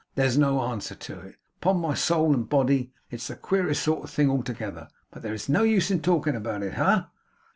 there's no answer to it. Upon my soul and body, it's the queerest sort of thing altogether but there's no use in talking about it. Ha! Ha!